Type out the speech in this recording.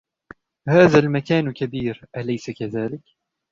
هذا المكان كبير ، أليس كذلك ؟